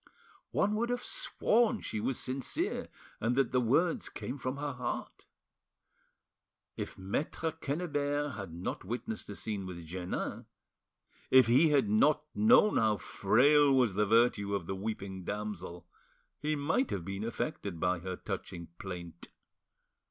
One would have sworn she was sincere and that the words came from her heart. If Maitre Quennebert had not witnessed the scene with Jeannin, if he had not known how frail was the virtue of the weeping damsel, he might have been affected by her touching plaint.